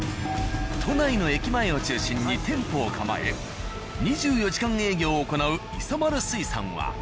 都内の駅前を中心に店舗を構え２４時間営業を行う「磯丸水産」は。